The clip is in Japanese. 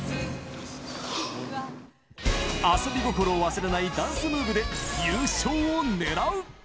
遊び心を忘れないダンスムーブで、優勝をねらう。